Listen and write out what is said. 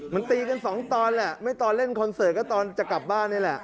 มันตีกันสองตอนแหละไม่ตอนเล่นคอนเสิร์ตก็ตอนจะกลับบ้านนี่แหละ